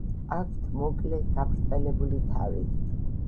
აქვთ მოკლე, გაბრტყელებული თავი.